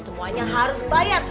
semuanya harus bayar